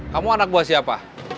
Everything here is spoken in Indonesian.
kamu anak buah siapa